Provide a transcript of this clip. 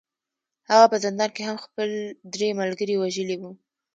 هغه په زندان کې هم خپل درې ملګري وژلي وو